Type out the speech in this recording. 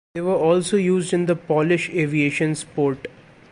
They were also used in the Polish aviation sport.